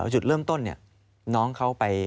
จุดเริ่มต้นเนี่ยน้องเขาไป